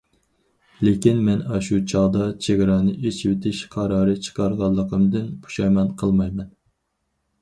لېكىن، مەن ئاشۇ چاغدا چېگرانى ئېچىۋېتىش قارارى چىقارغانلىقىمدىن پۇشايمان قىلمايمەن.